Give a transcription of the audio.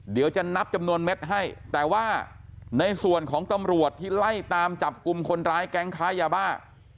เดี๋ยวจะนับจำนวนเม็ดให้แต่ว่าในส่วนของตำรวจที่ไล่ตามจับกลุ่มคนร้ายแก๊งค้ายาบ้า